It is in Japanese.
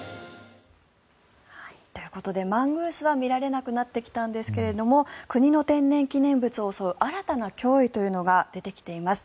ということでマングースは見られなくなってきたんですが国の天然記念物を襲う新たな脅威というのが出てきています。